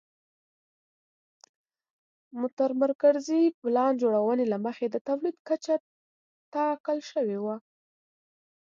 متمرکزې پلان جوړونې له مخې د تولید کچه ټاکل شوې وه.